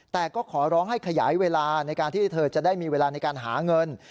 แต่ก็ขอร้องให้ขยายเวลาในการที่เธอจะได้มีเวลาในการหาเงิน